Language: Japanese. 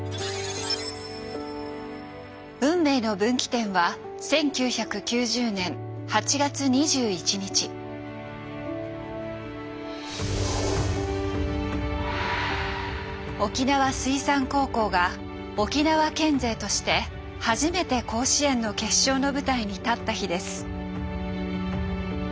運命の分岐点は沖縄水産高校が沖縄県勢として初めて甲子園の決勝の舞台に立った日です。